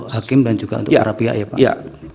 hakim dan juga untuk para pihak ya pak